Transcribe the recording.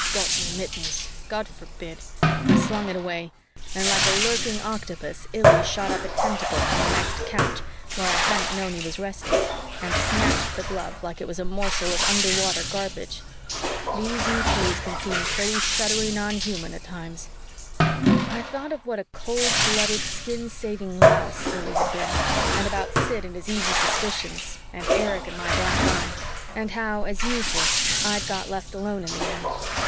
Got mittens, God forbid! I slung it away and, like a lurking octopus, Illy shot up a tentacle from the next couch, where I hadn't known he was resting, and snatched the glove like it was a morsel of underwater garbage. These ETs can seem pretty shuddery non human at times. I thought of what a cold blooded, skin saving louse Illy had been, and about Sid and his easy suspicions, and Erich and my black eye, and how, as usual, I'd got left alone in the end.